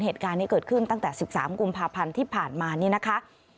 เหตุการณ์นี้เกิดขึ้นตั้งแต่๑๓กุมภาพันธ์ที่ผ่านมานี่นะคะ